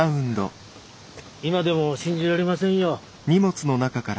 今でも信じられませんよ。